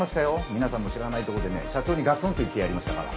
皆さんの知らないとこでね社長にガツンと言ってやりましたから。